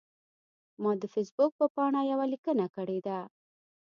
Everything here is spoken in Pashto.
ما د فیسبوک په پاڼه یوه لیکنه کړې ده.